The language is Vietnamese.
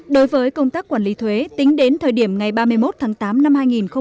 đối với công tác quản lý thuế tính đến thời điểm ngày ba mươi một tháng tám năm hai nghìn một mươi chín